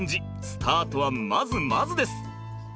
スタートはまずまずです。